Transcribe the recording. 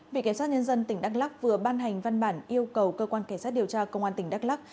bị kẻ sát nhân dân tỉnh đắk lắc vừa ban hành văn bản yêu cầu cơ quan kẻ sát điều tra công an tỉnh đắk lắc